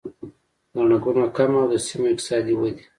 ګڼه ګوڼه کمه او د سیمو اقتصادي ودې